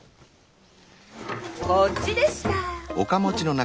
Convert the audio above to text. こっちでした。